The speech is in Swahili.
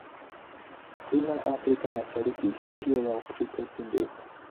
Ila Afrika Mashariki historia ya Ukristo si ndefu.